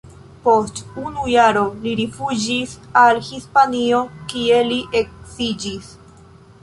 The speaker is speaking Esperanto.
Post unu jaro li rifuĝis al Hispanio, kie li edziĝis.